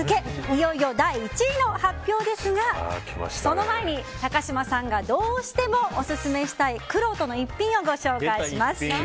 いよいよ第１位の発表ですがその前に、高嶋さんがどうしてもオススメしたいくろうとの逸品をご紹介します。